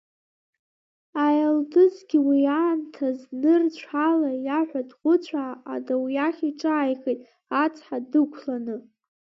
Аелдызгьы уи аамҭаз нырцә ала иаҳәа ҭӷәыцәаа адау иахь иҿааихеит, ацҳа дықәланы.